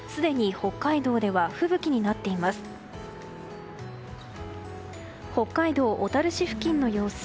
北海道小樽市付近の様子。